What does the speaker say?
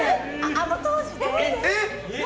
あの当時で？